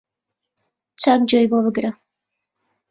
چاک گوێی بۆ بگرە